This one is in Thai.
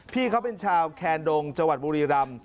พี่เขาเป็นชาวแคนดงจังหวัดบุรีรำ